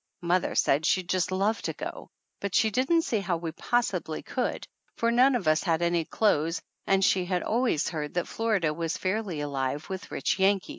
Mother said she'd just love to go, but she didn't see how we possibly could, for none of us had any clothes and she had always heard that Florida was fairly alive with rich Yankees!